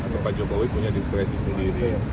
pak jokowi punya diskresi sendiri